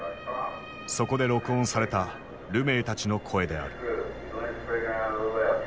そこで録音されたルメイたちの声である。